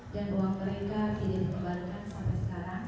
dan uang mereka tidak dikembalikan sampai sekarang